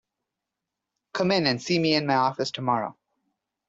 Come in and see me in my office tomorrow.